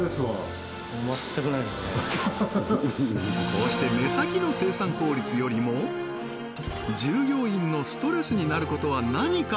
こうして目先の従業員のストレスになることは何か？